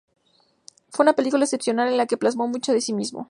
Fue una película excepcional, en la que plasmó mucho de sí mismo.